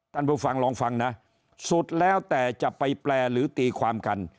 ผู้ฟังลองฟังนะสุดแล้วแต่จะไปแปลหรือตีความกัน